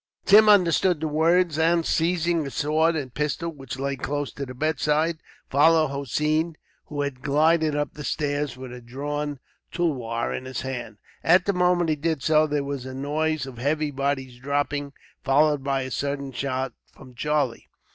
Tim understood the words and, seizing a sword and pistol which lay close to the bedside, followed Hossein, who had glided up the stairs, with a drawn tulwar in his hand. At the moment he did so, there was a noise of heavy bodies dropping, followed by a sudden shout from Charlie.